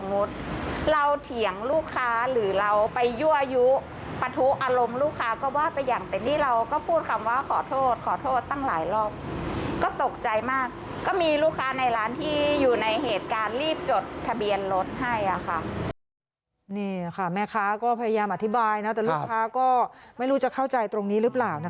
นี่ค่ะแม่ค้าก็พยายามอธิบายนะแต่ลูกค้าก็ไม่รู้จะเข้าใจตรงนี้หรือเปล่านะคะ